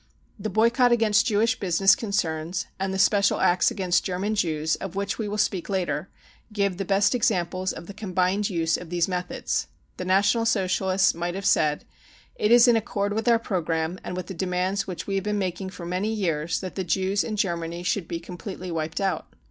The boycott against Jewish business concerns and the special acts against German Jews, of which we Will speak later, give the best examples of the combined use of these methods. The National Socialists might have said : It is in accord with our programme and with the demands which we have been making for many years that the Jews in Germany should be completely wiped out.